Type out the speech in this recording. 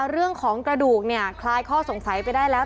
เรื่องของกระดูกเนี่ยคลายข้อสงสัยไปได้แล้ว